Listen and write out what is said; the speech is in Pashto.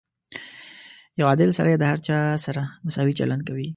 • یو عادل سړی د هر چا سره مساوي چلند کوي.